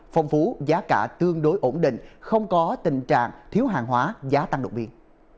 phong phú giá cả tương đối ổn định không có tình trạng thiếu hàng hóa giá tăng độc biên